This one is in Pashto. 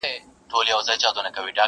o چي بد غواړې، پر بدو به واوړې!